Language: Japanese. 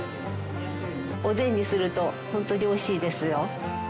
おでんにすると本当に美味しいですよ。